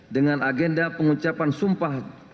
dengan agenda pengucapan sumpah